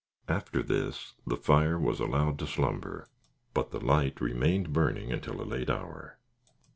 After this the fire was allowed to slumber, but the light remained burning until a late hour.